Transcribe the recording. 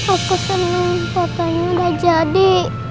aku seneng fotonya udah jadi